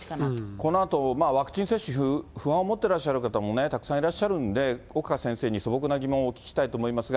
このあとワクチン接種に不安を持ってらっしゃる方もたくさんいらっしゃるんで、岡先生に素朴な疑問をお聞きしたいと思いますが。